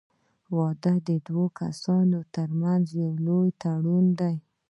• واده د دوه کسانو تر منځ یو لوی تړون دی.